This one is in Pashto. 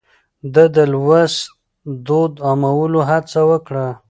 ده د لوست دود عامولو هڅه وکړه.